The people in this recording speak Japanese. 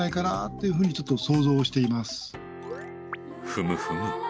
ふむふむ！